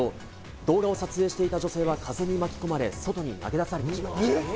動画を撮影していた女性は風に巻き込まれ、外に投げ出されてしまいました。